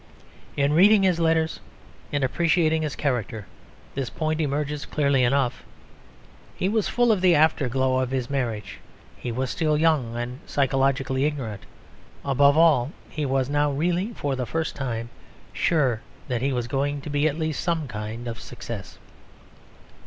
In reading his letters, in appreciating his character, this point emerges clearly enough. He was full of the afterglow of his marriage; he was still young and psychologically ignorant; above all, he was now, really for the first time, sure that he was going to be at least some kind of success.